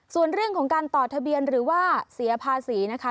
ส่วนเรื่องของการต่อทะเบียนหรือว่าเสียภาษีนะคะ